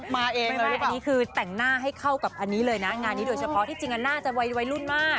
มาเองเลยอันนี้คือแต่งหน้าให้เข้ากับอันนี้เลยนะงานนี้โดยเฉพาะที่จริงน่าจะวัยรุ่นมาก